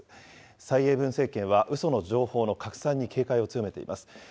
蔡英文政権はうその情報の拡散に警戒を強めています。